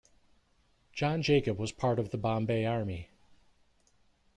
John Jacob was part of the Bombay Army.